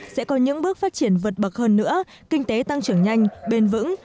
sẽ có những bước phát triển vượt bậc hơn nữa kinh tế tăng trưởng nhanh bền vững